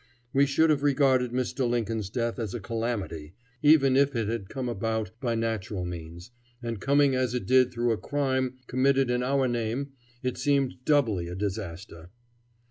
We should have regarded Mr. Lincoln's death as a calamity, even if it had come about by natural means, and coming as it did through a crime committed in our name, it seemed doubly a disaster.